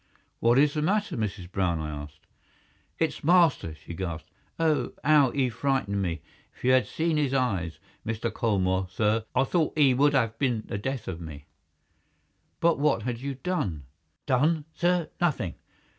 "What is the matter, Mrs. Brown?" I asked. "It's master!" she gasped. "Oh, 'ow 'e frightened me! If you had seen 'is eyes, Mr. Colmore, sir. I thought 'e would 'ave been the death of me." "But what had you done?" "Done, sir! Nothing.